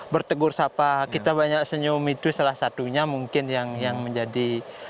bertegur sapa kita banyak senyum itu salah satunya mungkin yang menjadi